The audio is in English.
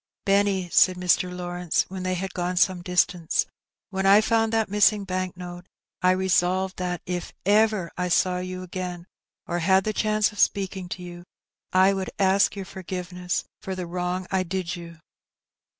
"Benny," said Mr. Lawrence, when they had gone some distance, "when I found that missing bank note, I resolved that, if ever I saw you again or had the chance of speaking to you, I would ask your forgiveness for the wrong I did you."